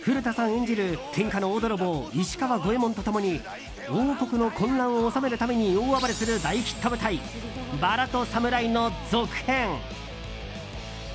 演じる天下の大泥棒・石川五右衛門と共に王国の混乱を収めるために大暴れする大ヒット舞台「薔薇とサムライ」の続編。